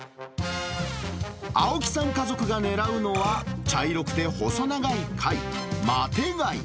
青木さん家族が狙うのは、茶色くて細長い貝、マテ貝。